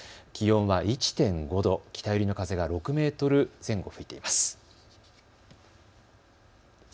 気温は１．５度、北寄りの風が６メートル前後吹いています。